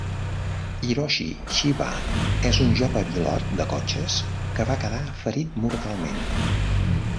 Hiroshi Shiba és un jove pilot de cotxes que va quedar ferit mortalment.